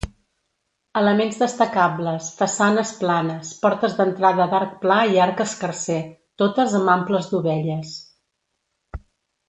Elements destacables: façanes planes, portes d'entrada d'arc pla i arc escarser, totes amb amples dovelles.